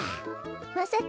まさか。